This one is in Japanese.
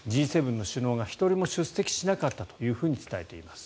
Ｇ７の首脳が１人も出席しなかったと伝えています。